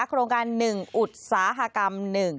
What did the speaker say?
โครงการหนึ่งอุตสาหกรรมหนึ่ง